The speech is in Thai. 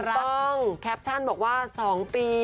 คุณต้องแคปชั่นบอกว่าสองปี